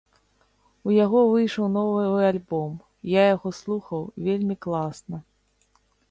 У яго выйшаў новы альбом, я яго слухаў, вельмі класна.